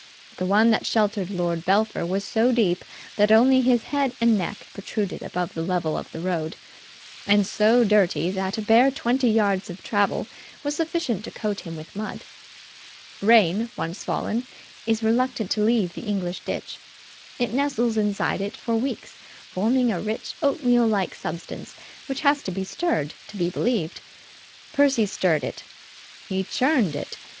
The one that sheltered Lord Belpher was so deep that only his head and neck protruded above the level of the road, and so dirty that a bare twenty yards of travel was sufficient to coat him with mud. Rain, once fallen, is reluctant to leave the English ditch. It nestles inside it for weeks, forming a rich, oatmeal like substance which has to be stirred to be believed. Percy stirred it. He churned it.